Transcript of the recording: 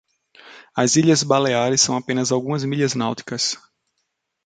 As Ilhas Baleares são apenas algumas milhas náuticas.